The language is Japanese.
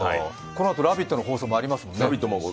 このあと「ラヴィット！」の放送もありますもんね。